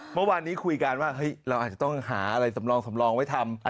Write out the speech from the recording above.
เมื่อวานนี้คุยกันว่าเราอาจจะต้องหาอะไรสำรองสำรองไว้ทำ